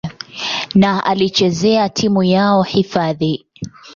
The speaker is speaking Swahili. na alichezea timu yao hifadhi.